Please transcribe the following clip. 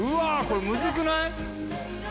これむずくない？